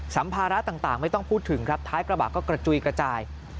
สัมภาระต่างไม่ต้องพูดถึงครับท้ายกระบะก็กระจุยกระจาย